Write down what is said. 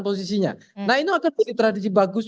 posisinya nah ini akan menjadi tradisi bagus